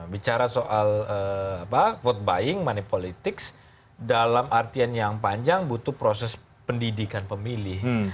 bicara soal vote buying money politics dalam artian yang panjang butuh proses pendidikan pemilih